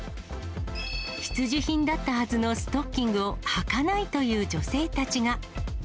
必需品だったはずのストッキングをはかないという女性たちが。